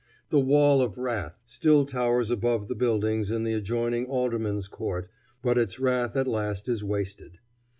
The "wall of wrath" still towers above the buildings in the adjoining Alderman's Court, but its wrath at last is wasted.